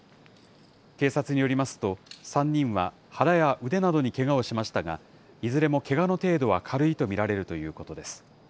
警察によりますと、３人は腹や腕などにけがをしましたが、いずれもけがの程度は軽いと見られるということです。